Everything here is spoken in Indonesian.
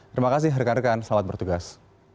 terima kasih rekan rekan selamat bertugas